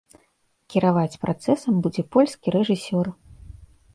Кіраваць працэсам будзе польскі рэжысёр.